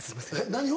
何を？